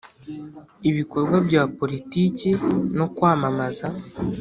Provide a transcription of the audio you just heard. Ibikorwa bya politiki no kwamamaza